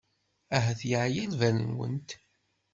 Ahat yeɛya lbal-nwent.